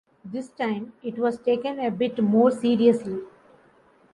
This time, it was taken a bit more seriously.